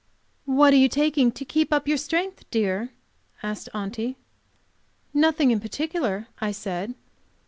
"What are you taking to keep up your strength, dear?" asked Aunty. "Nothing in particular," I said.